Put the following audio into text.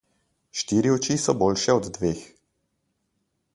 Štiri oči so boljše od dveh.